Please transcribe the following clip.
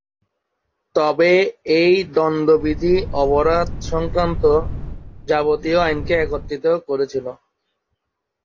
তবে এই দন্ড বিধি অপরাধ সংক্রান্ত যাবতীয় আইনকে একত্রিত করেছিল।